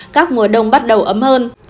các mùa đông bắt đầu ấm hơn